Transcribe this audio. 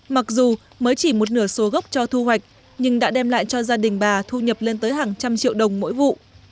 mặc dù mới chỉ một nửa số gốc cho thu hoạch nhưng đã đem lại cho gia đình bà thu nhập lên tới hàng trăm triệu đồng mỗi vụ